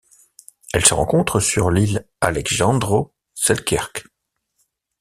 Elle se rencontre sur l'île Alejandro Selkirk.